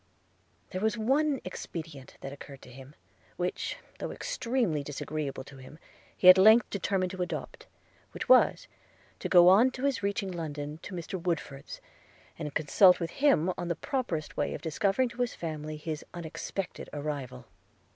There was one expedient that occurred, which, though extremely disagreeable to him, he at length determined to adopt – which was, to go on his reaching London to Mr. Woodford's, and consult with him on the properest way of disovering to his family his unexpected arrival.